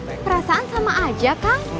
perasaan sama aja kang